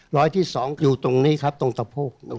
รอยที่๒อยู่ตรงนี้ครับตรงตะโพก